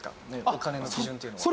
お金の基準っていうのは。